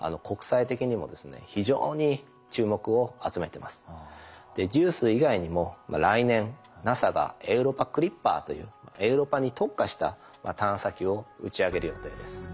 そうですね太陽系の外側のいわゆるＪＵＩＣＥ以外にも来年ＮＡＳＡがエウロパ・クリッパーというエウロパに特化した探査機を打ち上げる予定です。